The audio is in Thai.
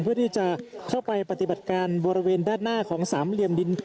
เพื่อที่จะเข้าไปปฏิบัติการบริเวณด้านหน้าของสามเหลี่ยมดิน